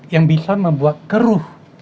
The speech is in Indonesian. yang bisa membuat keruh